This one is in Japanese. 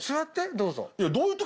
どうぞ。